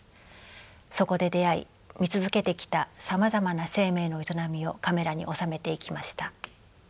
そこで出会い見続けてきたさまざまな生命の営みをカメラに収めていきました。